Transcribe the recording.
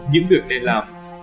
những việc nên làm